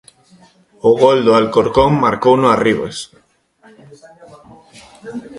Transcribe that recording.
O gol do Alcorcón marcouno Arribas.